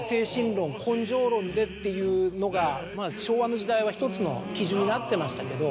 でっていうのが昭和の時代は１つの基準になってましたけど。